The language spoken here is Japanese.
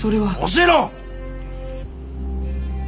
教えろ！